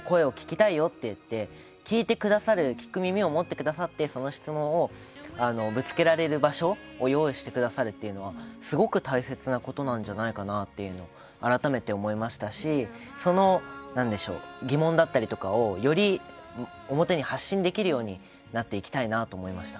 聞いてくださる耳を持ってくださってその質問を、ぶつけられる場所を用意してくださるというのはすごく大切なことなんじゃないかなっていうことを改めて思いましたしその疑問だったりとかをより表に発信できるようになっていきたいなと思います。